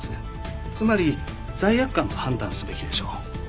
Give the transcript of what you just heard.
つまり罪悪感と判断すべきでしょう。